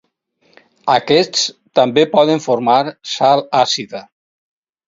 Aquests també poden formar sal àcida.